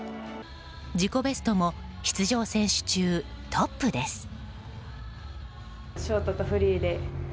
自己ベストも出場選手中トップです。